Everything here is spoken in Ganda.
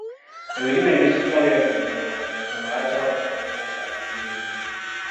Ebirime ebisinga byayonoonebwa y'ensonga lwaki abantu tebalina kya kukungula.